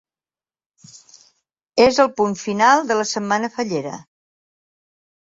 És el punt final de la setmana fallera.